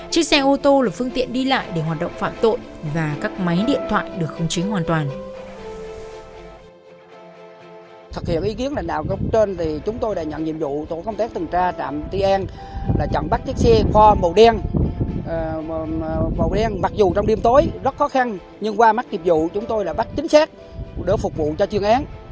chiếc xe ô tô là phương tiện đi lại để hoạt động phạm tội và các máy điện thoại được không chính hoàn toàn